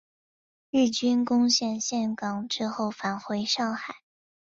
日军攻陷陷港之后返回上海。